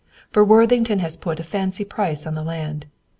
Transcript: For Worthington has put a fancy price on the land.